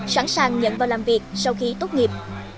sẵn sàng nhận vào làm việc sau khi tốt nghiệp